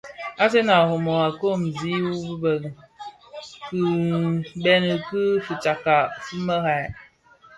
Asen a Rimoh a koosi yü bi kibeňi ki fitsakka fi merad.